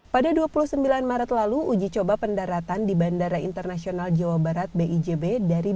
pada dua puluh sembilan maret lalu uji coba pendaratan di bandara internasional jawa barat bijb dari